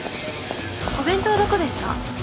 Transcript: お弁当どこですか？